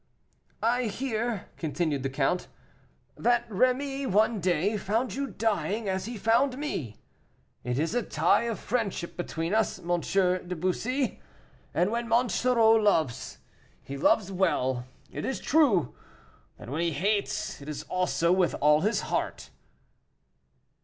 "I hear," continued the count, "that Rémy one day found you dying, as he found me. It is a tie of friendship between us, M. de Bussy, and when Monsoreau loves, he loves well; it is true that when he hates, it is also with all his heart."